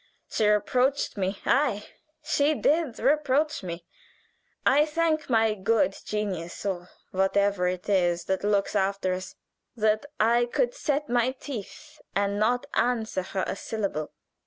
She reproached me ay, she did reproach me. I thank my good genius, or whatever it is that looks after us, that I could set my teeth and not answer her a syllable."